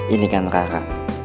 ini kan rara